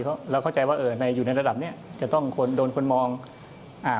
เพราะเราเข้าใจว่าเอ่อในอยู่ในระดับเนี้ยจะต้องคนโดนคนมองอ่า